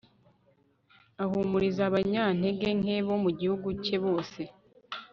ahumuriza abanyantege nke bo mu gihugu cye bose